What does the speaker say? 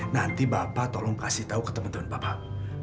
nanti bapak tolong memberitahu ke teman teman bapak